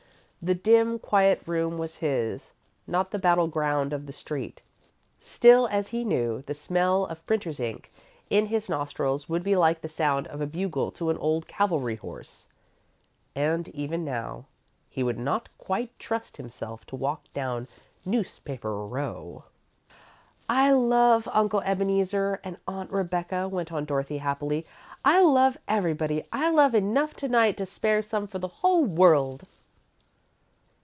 The dim, quiet room was his, not the battle ground of the street. Still, as he knew, the smell of printer's ink in his nostrils would be like the sound of a bugle to an old cavalry horse, and even now, he would not quite trust himself to walk down Newspaper Row. "I love Uncle Ebeneezer and Aunt Rebecca," went on Dorothy, happily. "I love everybody. I've love enough to night to spare some for the whole world."